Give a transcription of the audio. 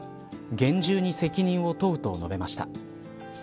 厳重に責任を問うと述べました。